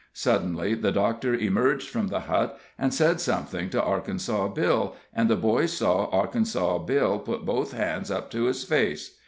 Suddenly the doctor emerged from the hut, and said something to Arkansas Bill, and the boys saw Arkansas Bill put both hands up to his face.